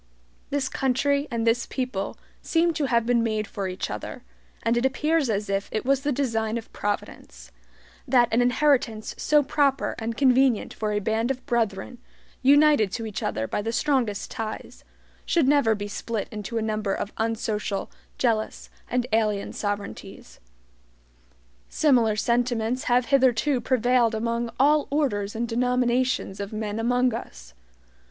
This country and this people seem to have been made for each other, and it appears as if it was the design of Providence, that an inheritance so proper and convenient for a band of brethren, united to each other by the strongest ties, should never be split into a number of unsocial, jealous, and alien sovereignties. Similar sentiments have hitherto prevailed among all orders and denominations of men among us.